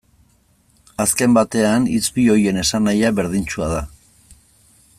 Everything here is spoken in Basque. Azken batean, hitz bi horien esanahia berdintsua da.